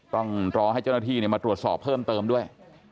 ต้องรอให้เจ้าหน้าที่มาตรวจสอบเพิ่มเติมด้วย